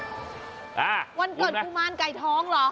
วันเกิดกุมารไก่ท้องเหรอ